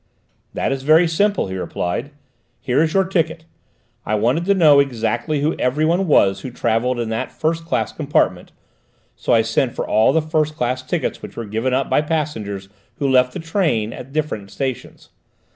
"That is very simple," he replied. "Here is your ticket. I wanted to know exactly who everyone was who travelled in that first class compartment, so I sent for all the first class tickets which were given up by passengers who left the train at the different stations.